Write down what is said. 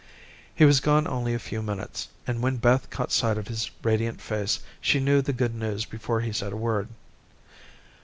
He was gone only a few minutes, and, when Beth caught sight of his radiant face, she knew the good news before he said a word.